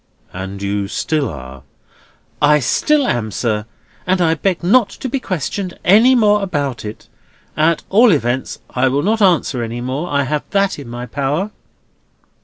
"And you still are?" "I still am, sir. And I beg not to be questioned any more about it. At all events, I will not answer any more; I have that in my power."